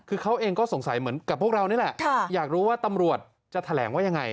คือเขาเองก็สงสัยเหมือนกับพวกเรานี่แหละอยากรู้ว่าตำรวจจะแถลงว่ายังไง